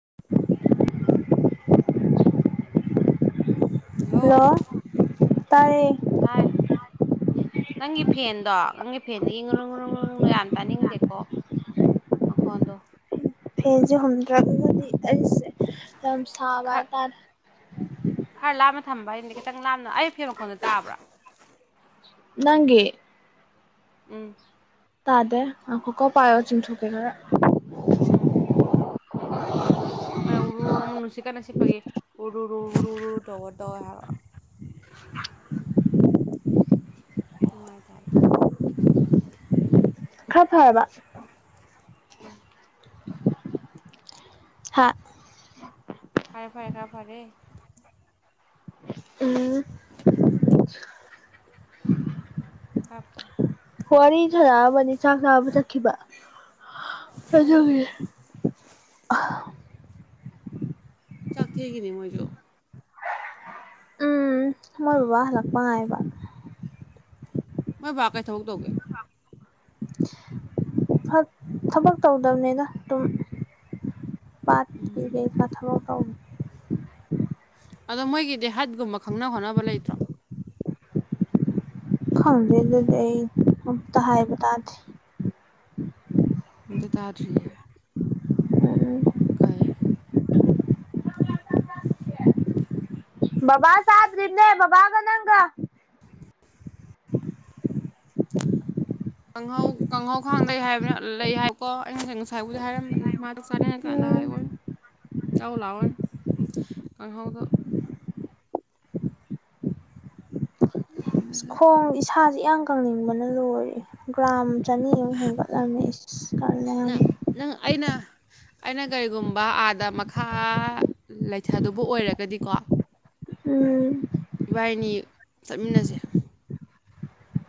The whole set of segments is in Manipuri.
[inaudible] ꯍꯜꯂꯣ ꯍꯦꯜꯂꯣ ꯇꯥꯔꯦ ꯇꯥꯏ ꯎ ꯅꯪꯒꯤ ꯐꯦꯟꯗꯣ ꯅꯪꯒꯤ ꯐꯦꯟꯗꯣ ꯌꯦꯡꯉꯨꯨꯔꯨꯨꯨꯨꯡꯗꯣ ꯌꯥꯟ ꯇꯥꯅꯤꯡꯗꯦꯀꯣ ꯃꯈꯣꯟꯗꯣ ꯐꯦꯟꯁꯦ ꯍꯨꯝꯗ꯭ꯔꯛꯒꯗꯤ ꯑꯩꯁꯦ ꯌꯥꯝ ꯁꯥꯕ ꯈꯔ ꯍꯥꯏꯇꯥꯔꯦ ꯈꯔ ꯂꯥꯞꯅ ꯊꯝꯕ ꯍꯥꯏꯅꯤꯗꯤ ꯈꯤꯇꯪ ꯂꯥꯞꯅ ꯑꯩ ꯐꯦ ꯃꯈꯣꯟꯜꯗ ꯇꯥꯕ꯭ꯔꯥ ꯅꯪꯒꯤ ꯎꯝ ꯇꯥꯗꯦ ꯑ ꯀꯀꯣ ꯄꯥꯏꯌꯣ ꯆꯤꯡꯊꯣꯛꯀꯦ ꯈꯔ ꯎꯝ ꯑꯊꯣ ꯎꯔꯔ ꯅꯨꯡꯁꯤꯀꯥ ꯅꯁꯤꯄꯒꯦ ꯎꯔꯔ ꯎꯔ ꯎꯔꯔ ꯇꯧ ꯇ ꯅꯨꯡꯉꯥꯏꯇꯂꯦ ꯈꯔ ꯐꯔꯕ ꯎ ꯍꯥ ꯐꯔꯦ ꯐꯔꯦ ꯈꯥ ꯐꯔꯦ ꯎꯝ ꯀꯞ ꯋꯥꯔꯤ ꯁꯥꯔꯛꯑꯕꯅꯤ ꯆꯥꯛ ꯆꯥꯕ ꯆꯠꯈꯤꯕ ꯍꯖꯒ ꯆꯥꯛꯊꯦꯒꯤꯅꯤ ꯃꯣꯏꯁꯨ ꯎꯝ ꯃꯣꯏ ꯕꯥꯂꯥꯛꯄꯥꯉꯥꯏꯕ ꯃꯣꯏ ꯕꯥꯥꯛ ꯀꯩ ꯊꯕꯛ ꯇꯧꯒꯦ ꯊꯕꯛ ꯇꯧꯗꯕꯅꯤꯗ ꯑꯗꯨꯝ ꯄꯠ ꯄꯤꯒ ꯀꯊꯕꯣ ꯇ ꯑꯗꯣ ꯃꯣꯏꯒꯤꯗꯤ ꯍꯠꯀꯨꯝꯕ ꯈꯪꯅ ꯍꯣꯠꯅꯕ ꯂꯩꯇ꯭ꯔꯣ ꯈꯪꯗꯦ ꯑꯗꯨꯗꯤ ꯑꯩ ꯑꯝꯇ ꯍꯥꯏꯕ ꯇꯥꯗꯦ ꯗꯇꯥꯔꯔꯤꯌꯦ ꯎꯝ ꯀꯥꯏ ꯕꯕꯥ ꯁꯥꯕ ꯔꯤꯦ ꯕꯥ ꯀꯅꯥꯒ ꯀꯥꯡꯍꯧ ꯀꯥꯡꯍꯧꯈꯥꯡꯗꯩ ꯍꯥꯏꯕꯅ ꯂꯩ ꯍꯥꯏꯕꯀꯣ ꯑꯩ ꯉꯁꯦ ꯉꯁꯥꯏꯕꯨꯗꯤ ꯍꯥꯏꯔꯝꯕꯅꯦ ꯃꯥꯗ ꯀꯥꯟ ꯀꯥꯟꯗ ꯎꯝ ꯍꯥꯏꯋꯏ ꯌꯥꯎ ꯂꯥꯛꯑꯣꯏ ꯀ ꯍꯗ ꯈꯣꯡ ꯏꯁꯥꯁꯦ ꯏ ꯀꯪꯅꯤꯡꯕꯅ ꯂꯣꯏꯔꯦ ꯒ꯭ꯔꯥꯝ ꯆꯅꯤ ꯑꯃꯨꯛ ꯍꯦꯟꯒꯠꯂꯝꯃꯤ ꯀꯅ ꯅꯪ ꯅꯪ ꯑꯩꯅ ꯑꯩꯅ ꯀꯔꯤꯒꯨꯝꯕ ꯑꯥꯗ ꯃꯈꯥ ꯂꯩꯊꯗꯨꯕ ꯑꯣꯏꯔꯒꯗꯤꯀꯣ ꯎꯝ ꯏꯕꯥꯏꯅꯤ ꯆꯠꯃꯤꯟꯅꯁꯦ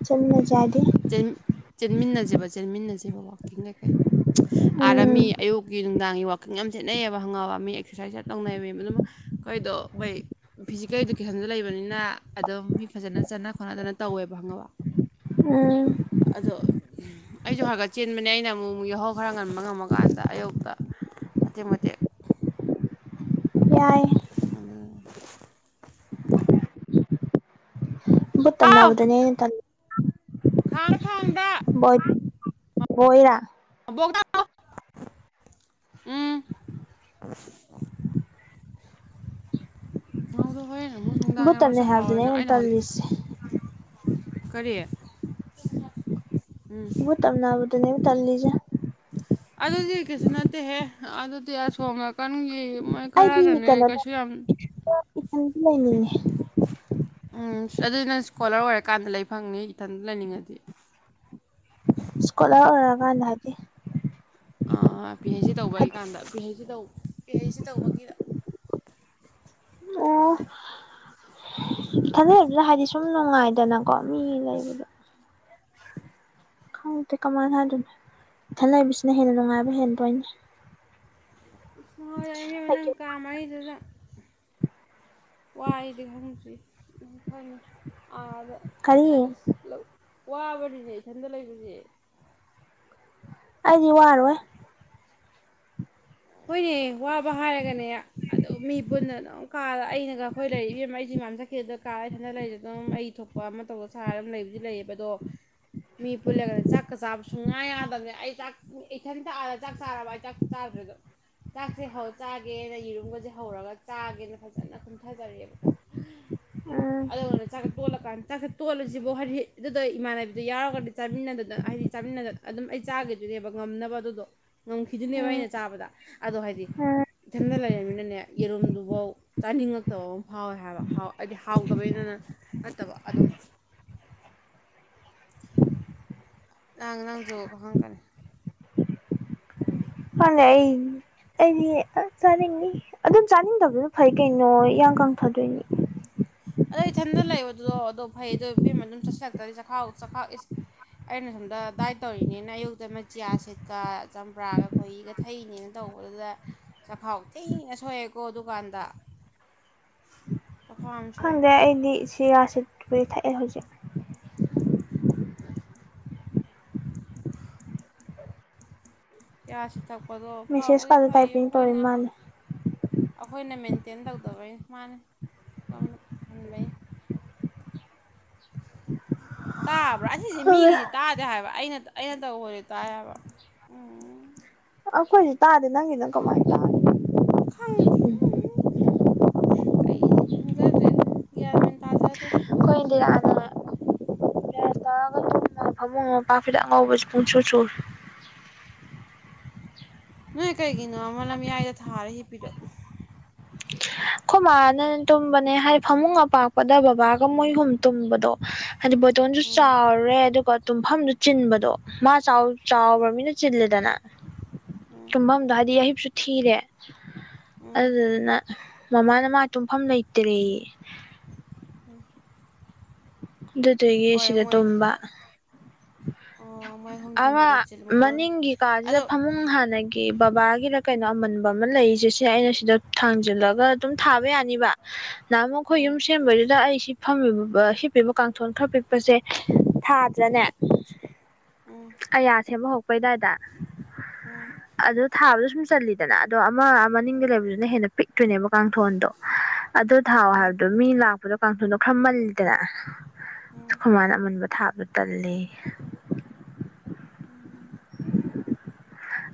ꯆꯠꯅ ꯆꯥꯗ ꯆꯦꯟꯃꯤꯟꯅꯁꯦꯕ ꯆꯦꯟꯃꯤꯟꯅꯁꯦꯕ ꯋꯥꯛꯀꯤꯡ ꯀꯩꯀꯩ ꯎꯝ ꯑꯥꯔꯥꯃꯤ ꯑꯌꯨꯛꯀꯤ ꯅꯨꯡꯗꯥꯡꯒꯤ ꯋꯥꯀꯤꯡ ꯌꯥꯝꯅꯦꯠꯅꯩꯑꯕ ꯍꯪꯉꯥꯎꯕ ꯃꯤ ꯑꯦꯛꯁꯥꯏꯖ ꯌꯥꯝ ꯇꯧꯅꯩꯌꯦ ꯑꯗꯨꯝ ꯑꯩꯈꯣꯏꯗꯣ ꯩ ꯐꯤꯖꯤꯀꯦꯜ ꯏꯗꯨꯀꯦꯁꯟꯁꯨ ꯂꯩꯕꯅꯤꯅ ꯑꯗꯨꯝ ꯃꯤ ꯐꯖꯅ ꯆꯠꯅ ꯈꯣꯠꯅꯗꯅ ꯇꯧꯋꯦꯕ ꯈꯪꯉꯕ ꯎ ꯑꯗꯣ ꯑꯩꯁꯨ ꯍꯥꯏꯔꯒꯠ ꯆꯦꯟꯕꯅꯦ ꯑꯩꯅ ꯑꯃꯨꯛꯨꯛ ꯌꯥꯍꯧ ꯈꯔ ꯉꯟꯕ ꯉꯝꯃꯀꯥꯟꯗ ꯑꯌꯨꯛꯇ ꯃꯇ ꯃꯇ ꯌꯥꯏ ꯑ ꯕꯨꯠ ꯇꯝꯅꯕꯗꯨꯅꯦꯩꯅ ꯈꯔ ꯈꯥꯗ ꯣꯏ ꯣꯏꯔ ꯣꯣꯛꯗ ꯎꯝ ꯑꯣꯗ ꯍ ꯃꯨꯛ ꯕꯨꯠ ꯁꯨꯡꯗꯉ ꯋꯥꯔꯁꯨ ꯇꯝꯅꯩ ꯍꯥꯏꯕꯗꯨꯅꯦ ꯍꯥꯎꯅ ꯑꯩꯅ ꯍ ꯇꯜꯂꯤꯁꯦ ꯀꯔꯤ ꯎꯝ ꯎꯕꯨ ꯇꯞꯅꯕꯗꯨꯅꯦꯕꯨ ꯇꯜꯂꯤꯁꯦ ꯑꯗꯨꯗꯤ ꯀꯩꯁꯨ ꯅꯠꯇꯦꯍꯦ ꯑꯗꯨꯗꯤ ꯑꯁꯣꯝ ꯅꯥꯀꯟꯒꯤ ꯃꯣꯏ ꯑꯩꯗꯤꯅꯤ ꯈꯔꯅꯅꯦ ꯀꯩꯅꯣ ꯇ ꯀꯩꯁꯨ ꯌꯥꯝ ꯏꯗꯤ ꯂꯩꯅꯤꯡꯉ ꯎꯝ ꯑꯗꯨꯅ ꯏꯁꯀꯣꯂꯔ ꯑꯣꯏꯔꯀꯥꯟꯗ ꯂꯩ ꯐꯪꯅꯤ ꯏꯊꯟꯇ ꯂꯩꯅꯤꯡꯉꯗꯤ ꯏꯁꯀꯣꯂꯔ ꯑꯣꯏꯔꯀꯥꯟꯗ ꯍꯥꯏꯗꯤ ꯄꯤ ꯍꯩ ꯁꯤ ꯇꯧꯕꯒꯤ ꯀꯥꯟꯗ ꯄꯤ ꯍꯩ ꯁꯤ ꯇꯧꯕ ꯄꯤ ꯍꯩ ꯁꯤ ꯇꯧꯕꯒꯤꯗ ꯑꯣ ꯈꯟꯖꯔꯕꯅ ꯍꯥꯏꯗꯤ ꯁꯨꯝ ꯅꯨꯡꯉꯥꯏꯗ ꯅꯪ ꯀꯝ ꯌꯥꯕꯨ [inaudible] ꯈꯪꯗꯦ ꯀꯃꯥꯏꯅꯗꯣꯏꯅꯣ ꯏꯊꯜ ꯂꯩꯏꯕꯁꯤꯅ ꯍꯦꯟꯅ ꯅꯨꯡꯉꯥꯏꯕ ꯍꯦꯟꯗꯣꯏꯅꯤ ꯍ ꯅꯪ ꯀ ꯑꯃꯩꯗꯨꯗ ꯋꯥꯏꯗꯤ ꯈꯪꯁꯤ꯭ ꯈꯪꯉꯤ ꯑꯥꯗ ꯀꯔꯤ ꯑꯁ ꯋꯥꯕꯅꯤꯅꯦ ꯏꯊꯟꯗ ꯂꯩꯕꯁꯦ ꯑꯩꯗꯤ ꯋꯥꯔꯣꯏ ꯍꯣꯏꯅꯦ ꯋꯥꯕ ꯍꯥꯏꯔꯒꯅꯦ ꯑꯣ ꯃꯤ ꯄꯨꯟꯅ ꯑꯗꯨꯝ ꯀꯥꯔ ꯑꯩꯅꯒ ꯑꯩꯈꯣꯏ ꯂꯩꯔꯤꯕ ꯑꯃ ꯑꯩꯁꯤ ꯃꯝ ꯆꯠꯈꯤ ꯑꯗꯨꯗ ꯀꯥꯔꯩꯊꯟꯗ ꯂꯩꯔ ꯑꯗꯨꯝ ꯑꯩ ꯊꯣꯛꯄ ꯀ ꯑꯃ ꯇꯧꯗ ꯁꯥꯔ ꯑꯃ ꯂꯩꯕꯨꯗꯤ ꯂꯩꯌꯦꯕ ꯑꯗꯣ ꯃꯤ ꯄꯨꯜꯂꯒꯅꯦ ꯆꯥꯛꯀ ꯆꯥꯕ ꯁꯨꯡꯉꯥꯏ ꯌꯥꯗꯕꯅꯦ ꯑꯩ ꯆꯥꯛ ꯏꯊꯟꯇꯛꯑꯒ ꯆꯥꯛ ꯆꯥꯔꯕ ꯍꯥꯏ ꯑꯩ ꯆꯥꯛ ꯆꯥꯗ꯭ꯔꯗꯣ ꯆꯥꯛꯁꯦ ꯍꯧ ꯆꯥꯒꯦꯅ ꯌꯦꯔꯨꯝꯒꯁꯦ ꯍꯧꯔꯒ ꯆꯥꯒꯦꯅ ꯐꯖꯅ ꯀꯨꯝꯊꯖꯔꯦꯕꯀꯣ [inaudible] ꯎꯝ ꯑꯗꯨꯅ ꯆꯥꯛꯈꯠ ꯇꯣꯜꯂꯀꯥꯟ ꯆꯥꯛꯈꯠ ꯇꯣꯠꯂꯁꯤꯕꯨ ꯍꯥꯏꯗꯤ ꯑꯗꯨꯗ ꯏꯃꯥꯟꯅꯕꯤꯗꯨ ꯌꯥꯎꯔꯒꯗꯤ ꯆꯥꯃꯤꯟꯅꯗꯗꯅ ꯍꯥꯏꯗꯤ ꯆꯥꯃꯤꯟꯅꯗꯅ ꯑꯗꯨꯝ ꯑꯩ ꯆꯥꯈꯤꯗꯣꯏꯅꯦꯕ ꯉꯝꯅꯕ ꯑꯗꯨꯗꯣ ꯉꯝꯈꯤꯗꯨꯣꯏꯅꯦꯕ ꯎꯝ ꯑꯩꯅ ꯆꯥꯕꯗ ꯑꯗꯣ ꯍꯥꯏꯗꯤ ꯏꯊꯟꯇ ꯂꯩꯔꯕꯃꯤꯅꯅꯦ ꯌꯦꯔꯨꯝꯗꯨꯐꯥꯎ ꯆꯥꯅꯤꯡꯉꯛꯇꯕ ꯑꯃ ꯐꯥꯎꯋꯦ ꯍꯥꯏꯕꯥꯎ ꯍꯥꯏꯗꯤ ꯍꯥꯎꯗꯕꯅꯤꯅꯅ ꯅꯠꯇꯕ ꯑꯗꯨꯝ ꯂꯪ ꯅꯥꯡꯖꯒ ꯍꯪꯒꯅꯤ ꯐ ꯑꯩ ꯑꯩꯗꯤ ꯑ ꯆꯥꯅꯤꯡꯅꯤ ꯑꯗꯨꯝ ꯆꯥꯅꯤꯡꯗꯕꯗꯣ ꯐꯩ ꯀꯩꯅꯣ ꯏꯌꯥꯡ ꯀꯪ ꯊꯥꯗꯣꯏꯅꯤ ꯑꯗꯣ ꯏꯊꯟꯇ ꯂꯩꯕꯗꯨꯗꯣ ꯑꯗꯣ ꯐꯩꯗꯣ ꯕꯦꯝ ꯑꯗꯨꯝ ꯆꯠꯁꯤꯜꯂꯛꯇꯗꯤ ꯆꯈꯥꯎ ꯆꯈꯥꯎ ꯑꯦ ꯑꯩꯅ ꯁꯣꯝꯗ ꯗꯥꯏꯠ ꯇꯧꯔꯤꯅꯤꯅ ꯑꯌꯨꯛꯇ ꯃꯆꯤꯌꯥ ꯁꯦꯠꯀ ꯆꯝꯄ꯭ꯔꯥꯒ ꯈꯣꯏꯍꯤꯒ ꯊꯩꯅꯦꯅ ꯇꯧꯕꯗꯨꯗ ꯆꯈꯥꯎ ꯊꯦꯡꯅ ꯁꯣꯛꯑꯦꯀꯣ ꯗꯨꯀꯥꯟꯗ ꯑ ꯈꯪꯗ꯭ꯔꯦ ꯑꯩꯗꯤ ꯁꯤ ꯔꯥꯁꯤꯠꯄꯨ ꯊꯛꯑꯦ ꯍꯧꯖꯤꯛ [inaudible] ꯄꯤꯌꯥꯁꯤ ꯊꯛꯄꯗꯣ ꯃꯦꯁꯦꯁ ꯐꯕꯨꯗꯤ ꯀꯥꯗ ꯇꯥꯏꯄꯤꯡ ꯇꯧꯔꯤ ꯐꯩꯌꯦꯈꯣꯏꯅ ꯃꯥꯜꯂꯦ ꯑꯩꯈꯣꯏꯅ ꯃꯦꯟꯇꯦꯟ ꯇꯧꯗꯕꯩ ꯃꯥꯅ ꯍꯟꯕꯩ ꯇꯥꯕ꯭ꯔꯥ ꯑꯩꯅꯤꯁꯦ ꯃꯤꯒꯤꯗꯤ ꯇꯥꯗꯦ ꯍꯥꯏꯕ ꯑꯩꯅ ꯑꯩꯅ ꯇꯧꯕꯗꯤ ꯇꯥꯏ ꯍꯥꯏꯕ ꯎꯝ ꯑꯈꯣꯏꯁꯨ ꯇꯥꯗꯦ ꯅꯪꯉ ꯅꯪ ꯀꯃꯥꯏꯅ ꯇꯥꯗꯦ ꯈꯪꯗꯦ ꯀꯩ ꯈꯪꯖꯗ꯭ꯔꯦꯗ ꯒ꯭ꯌꯥꯟꯃꯦꯟ ꯇꯥꯖꯗ꯭ꯔꯦ ꯑꯩꯣꯏꯗꯤꯔ ꯑꯗ ꯐꯗ ꯑ ꯄ ꯆ ꯅꯣꯏ ꯀꯩꯒꯤꯅꯣ ꯑꯃꯅꯌꯥꯏꯗ ꯊꯥꯔ ꯍꯤꯄꯤꯔꯛꯑꯣ ꯑꯩ ꯈꯨ ꯃꯥꯅ ꯇꯨꯝꯕꯅꯦ ꯍꯥꯏꯗꯤ ꯐꯃꯨꯡ ꯑꯄꯥꯛꯄꯗ ꯕꯕꯥꯒ ꯃꯣꯏꯍꯨꯝ ꯇꯨꯝꯕꯗꯣ ꯍꯥꯏꯗꯤ ꯕꯣꯇꯣꯟꯁꯨ ꯎꯝ ꯆꯥꯎꯔꯦ ꯑꯗꯨꯒ ꯇꯨꯝꯐꯝꯗꯨ ꯆꯤꯟꯕꯗꯣ ꯃꯥ ꯆꯥꯎꯕ꯭ꯔ ꯎꯝ ꯃꯤꯅ ꯆꯤꯜꯂꯦꯗꯅ ꯎꯝ ꯇꯨꯝꯐꯝꯗꯣ ꯍꯥꯏꯗꯤ ꯑꯍꯤꯤꯞꯁꯨ ꯊꯤꯔꯦ ꯎꯝ ꯑꯗꯨꯗꯨꯗꯨꯅ ꯃꯃꯥꯅ ꯃꯥ ꯇꯨꯝꯐꯝ ꯂꯩꯇ꯭ꯔꯦ ꯎꯝ ꯑꯗꯨꯗꯒꯤ ꯍꯣꯏ ꯁꯤꯗ ꯃꯣꯏ ꯇꯨꯝꯝꯕ ꯑꯣ ꯃꯣꯏ ꯑꯍꯨꯝ ꯑꯃ ꯇꯨꯝꯕꯗ ꯆꯤꯜ ꯃꯨꯇꯣꯟ ꯃꯅꯤꯡꯒꯤ ꯀꯥꯁꯤꯗ ꯑꯗꯣ ꯐꯃꯨꯡ ꯍꯥꯟꯅꯒꯤ ꯕꯕꯥꯒꯤꯅ ꯀꯩꯅꯣ ꯑꯃꯟꯕ ꯑꯃ ꯂꯩꯔꯤꯁꯦ ꯁꯤꯦ ꯑꯩꯅ ꯁꯤꯗ ꯊꯥꯡꯖꯤꯜꯂꯒ ꯑꯗꯨꯝ ꯊꯥꯕ ꯌꯥꯅꯤꯕ ꯅꯃꯈ ꯎꯝ ꯌꯨꯝꯁ ꯑ ꯁꯦꯝꯦꯡꯕꯗꯨꯗ ꯑꯩ ꯁꯤ ꯐꯝꯃꯤꯕ ꯁꯤꯞꯄꯤꯕ ꯀꯥꯡꯊꯣꯟ ꯈꯔ ꯄꯤꯛꯄꯁꯦ ꯊꯥꯗ꯭ꯔꯅꯦ ꯎꯝ ꯀꯌꯥꯁꯦꯕ ꯍꯧ ꯎꯈꯣꯏꯗꯥꯏꯗ ꯎꯝ ꯑꯗꯣ ꯊꯥꯕꯗꯣ ꯁꯨꯝ ꯆꯜꯂꯤꯗꯅ ꯑꯗꯣ ꯑꯃ ꯃꯅꯤꯡꯗ ꯂꯩꯕꯗꯨꯅ ꯍꯦꯟꯅ ꯄꯤꯛꯇꯣꯏꯅꯦꯕ ꯀꯥꯡꯊꯣꯟꯗꯣ ꯑꯗꯨ ꯊꯥꯎꯑꯣ ꯎꯝ ꯍꯥꯏꯕꯗꯣ ꯃꯤ ꯂꯥꯛꯄ ꯗꯣ ꯀꯥꯡꯊꯨꯗꯣ ꯈꯔꯃꯜꯂꯤꯗꯅ ꯈꯨꯃꯥꯏꯅ ꯑꯃꯟꯕ ꯊꯥꯕꯗꯣ ꯇꯜꯂꯤ ꯎꯝ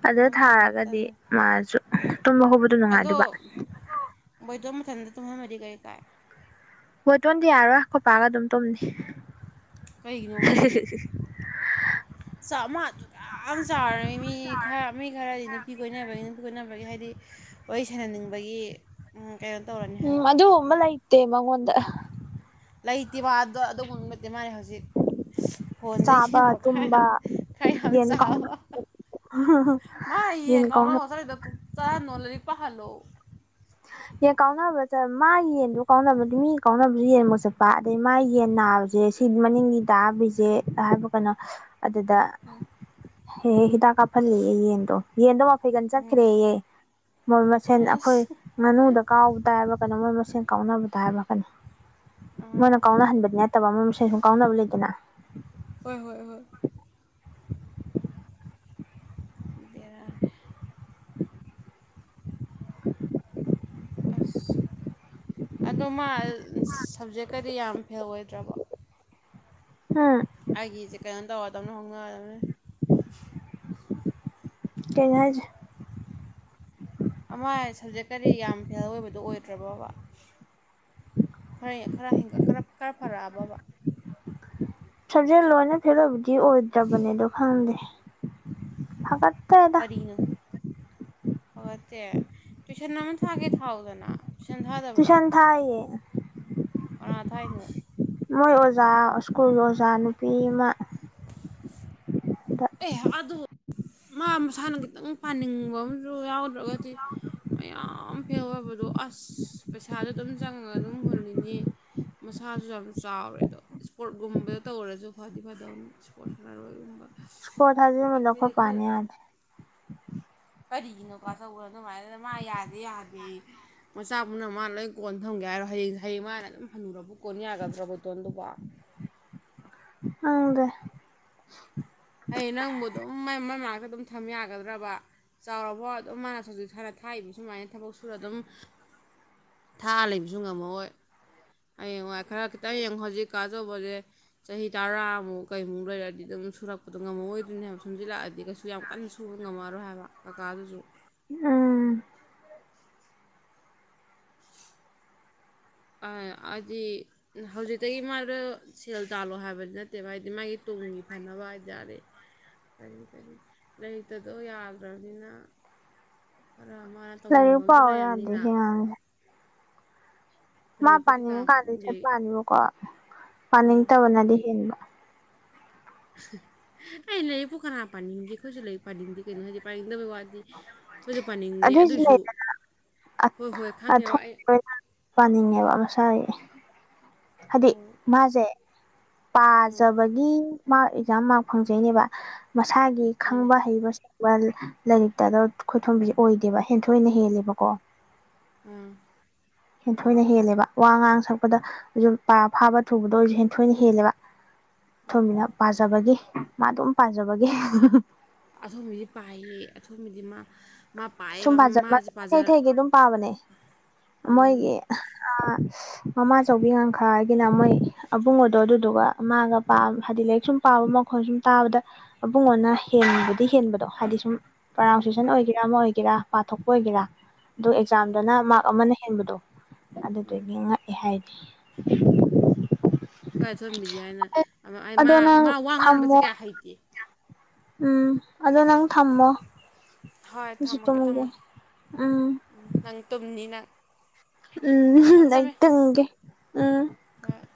ꯑꯗꯨꯗ ꯊꯥꯕ ꯊꯥꯔꯒꯗꯤ ꯇꯜꯂꯦ ꯃꯥꯁꯨ ꯇꯨꯝꯕ ꯍ ꯑꯗꯣ ꯕꯣꯏꯗꯣ ꯃꯊꯟꯇ ꯇꯨꯝꯍꯝꯃꯗꯤ ꯀꯔꯤ ꯀꯥꯏ ꯍꯣꯏ ꯇꯣꯟꯗꯤ ꯌꯥꯔꯣꯏ ꯈꯣꯠꯄꯥꯒ ꯑꯗꯨꯝ ꯇꯨꯝꯅꯤ ꯀꯩꯒꯤꯅꯤꯕꯗꯧ ꯆꯥꯝꯃ ꯑꯗꯨ ꯌꯥꯝ ꯌꯥꯝ ꯆꯥꯎꯔꯝꯃꯤ ꯃꯤ ꯈꯔ ꯃꯤ ꯈꯔꯗꯤ ꯅꯨꯄꯤ ꯀꯣꯏꯅꯕꯒꯤ ꯅꯨꯄꯤ ꯀꯣꯏꯅꯕꯒꯤ ꯍꯥꯏꯗꯤ ꯋꯥꯔꯤ ꯁꯥꯟꯅꯅꯤꯡꯕꯒꯤ ꯀꯩꯅꯣ ꯇꯧꯔꯅꯤ ꯍꯥꯏꯕ ꯇꯕꯉꯣꯟꯗ ꯂꯩꯇꯦꯕꯗꯣ ꯑꯗꯨꯒ ꯅꯠꯇꯦ ꯃꯥꯜꯂꯤ ꯍꯧꯖꯤꯛ ꯐꯣꯟꯁꯦ ꯆꯥꯕ ꯌꯦꯡꯕ ꯈꯔ ꯇꯨꯝꯕ ꯌꯥꯝ ꯈꯔ ꯌꯥꯝ ꯌꯦꯟ ꯀꯥꯎꯅ ꯆꯥꯎꯕ ꯃꯥ ꯌꯦꯟ ꯏꯡꯒ ꯀꯥꯎꯅ ꯉꯁꯗ ꯄꯨ ꯆꯥ ꯅꯂꯔꯤꯄꯥ ꯈꯜꯂꯣ ꯌꯦꯟ ꯀꯥꯎꯅꯕ ꯃꯥꯒꯤ ꯌꯦꯟꯗ ꯀꯥꯎꯅꯕ ꯃꯤ ꯀꯥꯎꯅꯕꯁꯨ ꯌꯦꯟꯨꯛ ꯆꯠꯄ ꯑꯗꯗꯒꯤꯩ ꯃꯥꯒꯤ ꯌꯦꯟ ꯅꯥꯕꯁꯦ ꯁꯤ ꯃꯅꯤꯡꯒꯤ ꯇꯥꯕꯤꯁꯦ ꯍꯥꯏꯕ ꯀꯩꯅꯣ ꯑꯗꯨꯗ ꯍꯦ ꯍꯤꯗꯥꯛ ꯀꯥꯞꯍꯜꯂꯤꯌꯦ ꯌꯦꯟꯗꯣ ꯌꯦꯟꯗꯣ ꯋꯥꯐꯩꯒꯟ ꯆꯠꯈ꯭ꯔꯦꯍ ꯃꯣꯏ ꯃꯁꯦꯟ ꯑꯩꯈꯣꯏ ꯑꯁ ꯉꯥꯅꯨꯗ ꯀꯥꯎꯕꯗ ꯍꯥꯏꯕ ꯀꯅ ꯃꯣꯏ ꯃꯁꯦꯟ ꯀꯥꯎꯅꯕꯗ ꯍꯥꯏꯕꯛ ꯀꯅꯤ ꯑꯥ ꯃꯣꯏꯅ ꯀꯥꯎꯅꯍꯟꯕꯗꯤ ꯅꯠꯇꯕ ꯃꯣꯏ ꯃꯁ ꯁꯨꯝ ꯀꯥꯎꯅꯕ ꯂꯩꯗꯅ ꯍꯣꯏ ꯍꯣꯏ ꯍ ꯕꯔꯥ [inaudible] [unintelligible] ꯑꯁ ꯑꯗꯣ ꯃꯥ ꯁꯞꯖꯦꯛꯀꯗꯤ ꯌꯥꯝ ꯐꯦꯜ ꯑꯣꯏꯗ꯭ꯔꯕꯣ ꯍꯥ ꯑꯩꯒꯤꯁꯦ ꯀꯩꯅꯣ ꯇꯧꯔꯗꯕꯅꯤꯅ ꯍꯣꯡꯅꯗꯕꯅꯤ ꯍ [unintelligible] ꯀꯩꯅꯣ ꯍꯥꯢꯁꯦ ꯑꯃ ꯁꯕꯖꯦꯛꯀꯗꯤ ꯌꯥꯝ ꯐꯦꯜ ꯑꯣꯏꯕꯗꯨꯣ ꯑꯣꯏꯗ꯭ꯔꯕꯕ ꯈꯔ ꯈꯔ ꯍ ꯈꯔ ꯈꯔ ꯐꯔꯛꯑꯕꯕ ꯁꯥꯖꯦꯜ ꯂꯣꯏꯅ ꯊꯦꯂꯕꯗꯤ ꯑꯣꯏꯗ꯭ꯔꯕꯅꯦꯗꯣ ꯈꯪꯗꯦ ꯐꯀꯠꯇ ꯅꯣ ꯐꯠꯇꯦ ꯇꯨꯏꯁꯟ ꯑꯃ ꯊꯒꯦ ꯊꯥꯎꯗꯅ ꯇꯨꯏꯁꯟ ꯊꯥꯗꯕ꯭ꯔꯣ ꯇꯨꯁꯥꯟ ꯊꯏꯌꯦ ꯊꯥꯏꯅꯩ ꯃꯣꯏ ꯑꯣꯖꯥ ꯁ꯭ꯀꯨꯜꯒꯤ ꯑꯣꯖꯥ ꯅꯨꯄꯤ ꯑꯃ ꯑꯦ ꯑꯗꯨ ꯃꯥ ꯃꯁꯥꯅ ꯈꯤꯇꯪ ꯄꯥꯅꯤꯡꯕ ꯑꯃꯁꯨ ꯌꯥꯎꯗ꯭ꯔꯒꯗꯤ ꯃꯌꯥꯝ ꯐꯦꯜ ꯑꯣꯏꯕꯗꯣ ꯑꯁ ꯄꯩꯁꯥꯗ ꯑꯗꯨꯝ ꯆꯪꯉꯒ ꯑꯗꯨꯝ ꯍꯨꯜꯂꯤꯅꯤ ꯃꯁꯥꯁꯨ ꯌꯥꯝ ꯆꯥꯎꯔꯦ ꯑꯗꯣ ꯏꯁꯄꯣꯔꯠꯀꯨꯝꯕꯗ ꯇꯧꯔꯁꯨ ꯐꯗꯤ ꯐꯗꯧꯅꯤ ꯏꯁ꯭ꯄꯣꯔꯠꯁꯂꯔ ꯑꯣꯏꯒꯨꯝꯕ ꯁꯀꯣꯊꯖꯤ ꯃ ꯂꯧ ꯈꯔ ꯄꯅꯤ ꯐꯩꯔꯤ ꯍꯣ ꯀꯁ ꯎꯔꯅ ꯍꯥꯏꯅ ꯃꯥ ꯌꯥꯗꯦ ꯌꯥꯗꯦ ꯃꯆꯥꯕꯨꯅ ꯃꯥꯅ ꯂꯣꯏ ꯀꯣꯟ ꯊꯝꯒꯦ ꯍꯥꯏꯔꯣ ꯍꯌꯦꯡ ꯍꯌꯦꯡ ꯃꯥꯅ ꯑꯗꯨꯝ ꯍꯅꯨꯔꯕ ꯀꯣꯟ ꯌꯥꯒꯗ꯭ꯔꯥ ꯣꯇꯣꯟꯗꯨꯕ ꯎꯗ [inaudible] ꯑꯩ ꯅꯪꯕꯨ ꯑꯗꯨꯝ ꯃ ꯃꯥꯏ ꯃꯅꯥꯛꯇ ꯑꯗꯨꯝ ꯊꯝ ꯌꯥꯒꯗ꯭ꯔꯕ ꯆꯥꯎꯔꯕ ꯑꯗꯨꯝ ꯃꯥꯅ ꯍꯧꯖꯤꯛꯅ ꯊꯥꯛꯏꯕ ꯁꯨꯃꯥꯏꯅ ꯊꯕꯛ ꯁꯨꯔ ꯑꯗꯨꯝ ꯊꯥ ꯂꯩꯕꯁꯨꯨꯡ ꯉꯝꯃ ꯍꯣꯏ ꯍꯌꯦꯡꯋꯥꯏ ꯈꯔ ꯈꯤꯇꯪ ꯌꯦꯡꯉꯨ ꯍꯧꯖꯤꯛꯀꯥꯗꯧꯕꯁꯦ ꯆꯍꯤ ꯇꯔꯥꯃꯨꯛ ꯀꯩꯃꯨꯛ ꯂꯩꯔꯗꯤ ꯑꯗꯨꯝ ꯁꯨꯔꯛꯄ ꯑꯗꯣ ꯉꯝꯃꯑꯣꯣꯏꯗꯣꯏꯅꯦꯕ ꯁꯨꯝꯝꯖꯤꯜꯂꯛꯑꯗꯤ ꯀꯩꯁꯨ ꯌꯥꯝ ꯀꯟꯅ ꯁꯨꯅꯒ ꯉꯝꯃꯔꯣꯏ ꯍꯥꯏꯕ ꯀꯀꯥꯗꯨꯁꯨ ꯎꯝ ꯑꯝ ꯑꯗꯤ ꯍꯧꯖꯤꯛꯇꯒꯤ ꯃꯥꯗꯣ ꯁꯦꯜ ꯇꯥꯜꯂꯣ ꯍꯥꯏꯕꯗꯤ ꯅꯠꯇꯦꯕ ꯍꯥꯏꯗꯤ ꯃꯥꯒꯤ ꯇꯨꯡꯒꯤ ꯐꯅꯕ ꯍꯥꯏꯇꯥꯔꯦ ꯀꯔꯤ ꯀꯔꯤ ꯂꯩꯇꯗꯣ ꯌꯥꯗ꯭ꯔꯕꯅꯤꯅ ꯈꯔ ꯃꯥꯅ ꯇꯧꯅꯤꯡꯕ ꯂꯥꯏꯔꯤꯛ ꯑꯃꯁꯝꯨ ꯄꯥꯎ ꯌꯥꯗꯦ ꯂꯩꯔꯕꯅꯤꯅ ꯁꯤ ꯑꯉꯥꯡꯁꯦ ꯃꯥ ꯂꯥꯏꯔꯤꯛꯄꯨꯗꯤ ꯀꯅꯥ ꯄꯥꯅꯤꯡꯉꯀꯥꯟꯗꯗꯤ ꯄꯥꯅꯤꯡꯒꯦ ꯁꯠꯄꯅꯦꯕꯀꯣ ꯑꯥ ꯄꯥꯅꯤꯡꯗꯕꯅꯗꯤ ꯍꯦꯟꯕ ꯑꯩ ꯂꯩꯄ ꯀꯅꯥ ꯄꯥꯅꯤꯡꯗꯦ ꯑꯩꯈꯣꯏꯁꯨ ꯂꯩ ꯄꯥꯅꯤꯡꯗꯦ ꯀꯩꯅꯣ ꯍꯥꯏꯗꯤ ꯄꯥꯅꯤꯡꯗꯕꯩ ꯋꯥꯠ ꯍꯥꯏꯗꯤ ꯑꯩꯣꯏꯁꯨ ꯄꯥꯅꯤꯡꯗꯦ ꯑꯗꯨꯏꯁꯨ ꯑꯗꯨꯁꯨ ꯂꯩꯗꯅ ꯍꯣꯏ ꯍꯣꯏ ꯈꯪꯉꯦꯕ ꯑꯩ ꯄꯥꯅꯤꯡꯉꯦꯕ ꯃꯁꯥꯏ ꯍꯥꯏꯗꯤ ꯍꯣꯏ ꯃꯥꯁꯦ ꯎꯝ ꯄꯥꯖꯕꯒꯤ ꯃꯥꯔꯛ ꯑꯦꯛꯖꯥꯝ ꯃꯥꯔꯛ ꯐꯪꯖꯩꯅꯦꯕ ꯃꯁꯥꯒꯤ ꯃꯥꯅꯦ ꯈꯪꯕ ꯍꯩꯕ ꯋꯥ ꯂꯥꯏꯔꯤꯛꯇꯗ ꯈꯣꯏꯊꯣꯟꯝꯕꯤꯁꯦ ꯑꯣꯏꯗꯦꯕ ꯍꯦꯟꯊꯣꯏꯅ ꯍꯦꯜꯂꯦꯕꯀꯣ ꯑꯝ ꯍꯊꯣꯏꯅ ꯍꯦꯜꯂꯦꯕ ꯋꯥ ꯉꯥꯡ ꯁꯛꯄꯗ ꯐꯥꯕ ꯊꯨꯕꯗꯣ ꯑꯣꯏꯔꯁꯨ ꯍꯦꯟꯊꯣꯏꯅ ꯍꯦꯜꯂꯦꯕ ꯊꯣꯃꯤꯅ ꯄꯥꯖꯕꯒꯤ ꯃꯥ ꯑꯗꯨꯝ ꯄꯥꯖꯕꯒꯤ ꯑꯊꯣꯝꯕꯤꯗꯤ ꯄꯥꯏꯌꯦ ꯑꯊꯣꯝꯒꯤꯗꯤ ꯃꯥ ꯃꯥ ꯁꯨꯝ ꯄꯥꯏꯑꯕ ꯄꯥꯖꯕ ꯃꯥꯁꯦ ꯄꯥꯖ ꯏꯊꯩ ꯊꯩꯒꯤ ꯑꯗꯨꯝ ꯄꯥꯕꯅꯦ ꯎꯝ ꯃꯣꯏꯒꯤ ꯃꯃꯥ ꯆꯧꯕꯤ ꯉꯈꯥ ꯍꯥꯏꯒꯤꯅ ꯃꯣꯏ ꯑꯕꯨꯡꯉꯗꯣ ꯑꯗꯨꯗꯨꯒ ꯃꯥꯒ ꯄꯥꯝ ꯍꯥꯏꯗꯤ ꯂꯥꯏꯔꯤꯛ ꯁꯨꯝ ꯄꯥꯕ ꯃꯈꯣꯟ ꯁꯨꯝ ꯇꯥꯕꯗ ꯃꯕꯨꯡꯉꯅ ꯍꯦꯟꯕꯗꯤ ꯍꯦꯟꯕꯗꯣ ꯍꯥꯏꯗꯤ ꯁꯨꯝ ꯄ꯭ꯔꯅꯥꯎꯟꯁꯤꯌꯦꯁꯟ ꯑꯣꯏꯒꯦꯔꯥ ꯑꯃ ꯑꯣꯏꯒꯦꯔꯥ ꯄꯥꯊꯣꯛꯄ ꯑꯣꯏꯒꯦꯔꯥ ꯑꯗꯨ ꯑꯦꯛꯖꯥꯝꯗꯅ ꯃꯥꯔꯛ ꯑꯃꯅ ꯍꯦꯟꯕꯗꯣ ꯑꯗꯨꯗꯨꯗꯒꯤ ꯉꯛꯑꯦ ꯍꯥꯏꯗꯤ ꯀꯥꯏ ꯊꯑꯝꯕꯤꯒꯦ ꯍꯥꯏꯅ ꯑꯩ ꯃꯥ ꯑꯗꯣ ꯅꯪ ꯃꯥ ꯋꯥ ꯉꯥꯡꯕꯁꯦ ꯊꯝꯃꯣ ꯀꯌꯥ ꯍꯩꯇꯦ ꯎꯝ ꯑꯗꯣ ꯅꯪ ꯊꯝꯃꯣ ꯍꯣꯏ ꯑꯩꯁꯨ ꯊꯝꯃꯒꯦ ꯇꯨꯝꯒꯦ ꯊꯝꯃꯒꯦꯝ ꯎꯝ ꯅꯪ ꯇꯨꯝꯅꯤ ꯅꯪ ꯊꯝꯃꯦ ꯎꯝ ꯏ ꯊꯝꯃꯦ ꯇꯨꯝꯒꯦ [unintelligible]